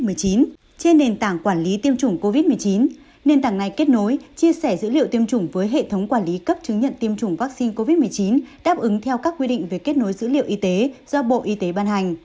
trên nền tảng quản lý tiêm chủng covid một mươi chín nền tảng này kết nối chia sẻ dữ liệu tiêm chủng với hệ thống quản lý cấp chứng nhận tiêm chủng vaccine covid một mươi chín đáp ứng theo các quy định về kết nối dữ liệu y tế do bộ y tế ban hành